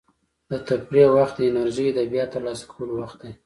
د تفریح وخت د انرژۍ د بیا ترلاسه کولو وخت دی.